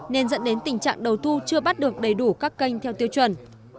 nên dẫn đến tình trạng đầu thu chưa bắt được đầy đủ các kênh theo tiêu chuẩn